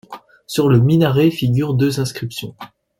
Sur le minaret, figurent deux inscriptions.